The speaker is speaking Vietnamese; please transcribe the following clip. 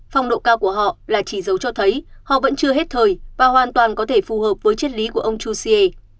phong độ cao của họ là chỉ dấu cho thấy họ vẫn chưa hết thời và hoàn toàn có thể phù hợp với chất lý của ông jose